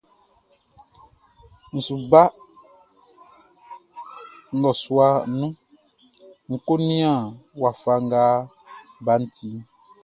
N su ba nnɔsua nun ń kó nían wafa nga baʼn tiʼn.